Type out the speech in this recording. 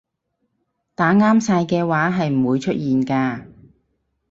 打啱晒嘅話係唔會出現㗎